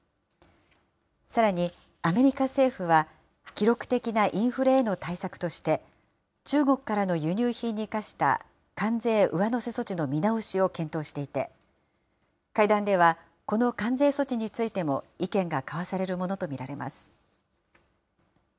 さらに、アメリカ政府は、記録的なインフレへの対策として、中国からの輸入品に課した関税上乗せ措置の見直しを検討していて、会談ではこの関税措置についても意見が交わされるものと見られます。